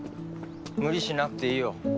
無理しなくていいよ。